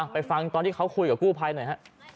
ไปฟังตอนที่เขาคุยกับกู้ภัยหน่อยฮะ